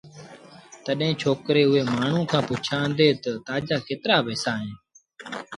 تڏهيݩ ڇوڪري اُئي مآڻهوٚٚݩ کآݩ پُڇيآݩدي تا تآجآ ڪيترآ پيئيٚسآ اهيݩ